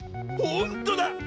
ほんとだ！